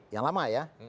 yang lama ya